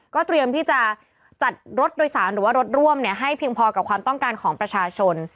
เตรียมที่จะจัดรถโดยสารหรือว่ารถร่วมให้เพียงพอกับความต้องการของประชาชน